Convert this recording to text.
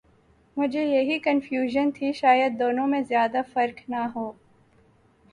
مجھے یہی کنفیوژن تھی شاید دونوں میں زیادہ فرق نہ ہو۔۔